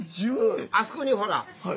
あそこにほら。